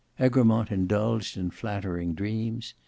Egremont indulged in flattering dreams.